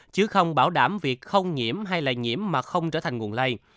chứ không bảo đảm việc không nhiễm hay lây nhiễm mà không trở thành nguồn lây